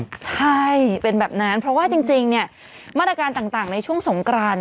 ใช่เป็นแบบนั้นเพราะว่าจริงเนี่ยมาตรการต่างในช่วงสงกราน